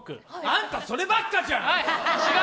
あんた、そればっかじゃん！